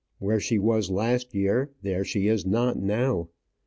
Where she was last year, there she is not now.